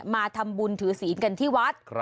มาทำบุญถือศีลกันที่วัด